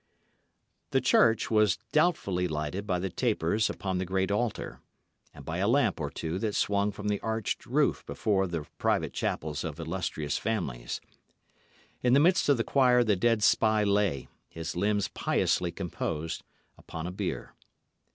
The church was doubtfully lighted by the tapers upon the great altar, and by a lamp or two that swung from the arched roof before the private chapels of illustrious families. In the midst of the choir the dead spy lay, his limbs piously composed, upon a bier.